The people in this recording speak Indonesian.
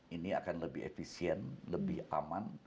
ini akan lebih efisien lebih aman